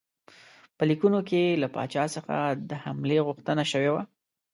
په لیکونو کې له پاچا څخه د حملې غوښتنه شوې وه.